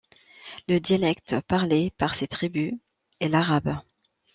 Le dialecte parlé par ces tribus est l'arabe.